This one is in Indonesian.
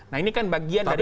nah ini kan bagian dari